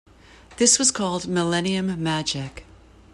This was called Millennium Magic.